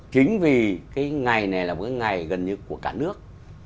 chính vì cái ngày này là cái ngày gần như của cả nước